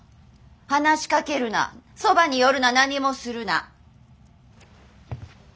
話しかけるなそばに寄るな何もするな。